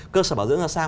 cơ sở bảo dưỡng là sao